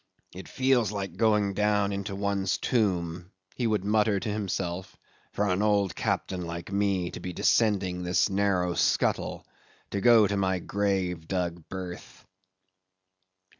"It feels like going down into one's tomb,"—he would mutter to himself—"for an old captain like me to be descending this narrow scuttle, to go to my grave dug berth."